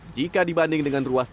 jika dibanding dengan ruas tol ini